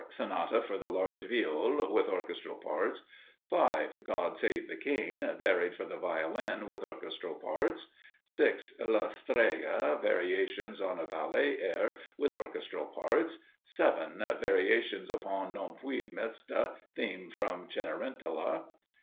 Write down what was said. Sonata for the large Viol, with orchestral parts. 5. "God save the King," varied for the Violin, with orchestral parts. 6. "Le Streghe," variations on a ballet air, with orchestral parts. 7. Variations upon "Non più mesta," theme from "Cenerentola."